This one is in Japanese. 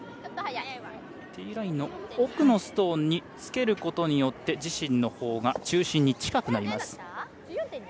ティーラインの奥のストーンにつけることによって自身のほうが中心に近くなります。